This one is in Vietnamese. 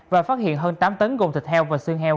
và phát hiện hơn tám tấn gồm thịt heo và xương heo